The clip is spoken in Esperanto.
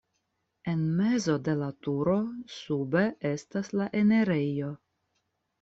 En mezo de la turo sube estas la enirejo.